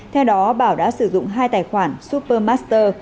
theo đó bảo đã sử dụng hai tài khoản supermaster